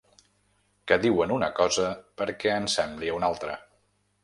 Que diuen una cosa perquè en sembli una altra.